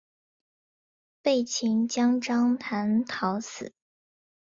被秦将章邯讨死。